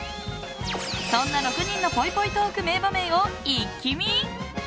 そんな６人のぽいぽいトーク名場面をイッキ見！